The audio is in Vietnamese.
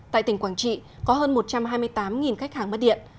tại tỉnh quảng trị có hơn một trăm hai mươi tám khách hàng mất điện